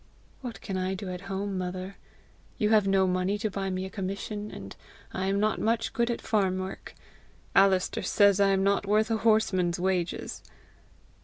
"What can I do at home, mother? You have no money to buy me a commission, and I am not much good at farm work. Alister says I am not worth a horseman's wages!"